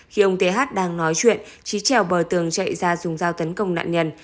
khi ông thế hát đang nói chuyện trí trèo bờ tường chạy ra dùng dao tấn công nạn nhân